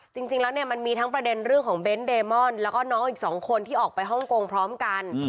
จริงแล้วเนี่ยมันมีทั้งประเด็นเรื่องของเบนท์เดมอนแล้วก็น้องอีก๒คนที่ออกไปฮ่องกงพร้อมกัน